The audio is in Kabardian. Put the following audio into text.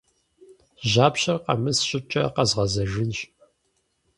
Жьапщэр къэмыс щӀыкӀэ къэзгъэзэжынщ.